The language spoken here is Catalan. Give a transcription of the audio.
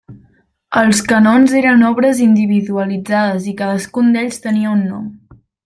Els canons eren obres individualitzades i cadascun d'ells tenia un nom.